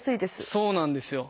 そうなんですよ。